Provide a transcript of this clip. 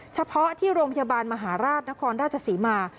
เฉพาะที่โรงพยาบาลมหาราชนครราชศรีมา